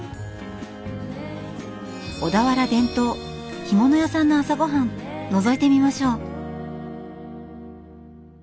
小田原伝統干物屋さんの朝ごはんのぞいてみましょう。